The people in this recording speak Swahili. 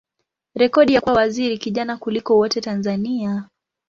rekodi ya kuwa waziri kijana kuliko wote Tanzania.